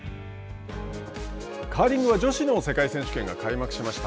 カーリングは、女子の世界選手権が開幕しました。